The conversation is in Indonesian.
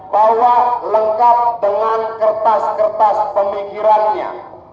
bahwa lengkap dengan kertas kertas pemikirannya